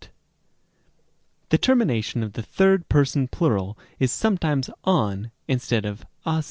The termination of the third person plural is sometimes ἂν instead of ασι(ν).